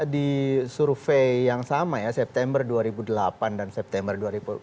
di survei yang sama ya september dua ribu delapan dan september dua ribu delapan belas